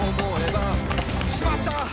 「しまった！